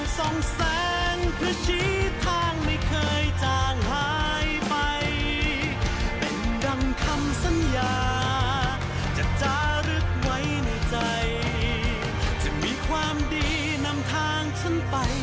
สวัสดีครับทุกคน